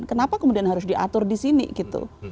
kenapa kemudian harus diatur di sini gitu